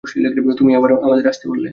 তুমিই আবার আসতে বললে।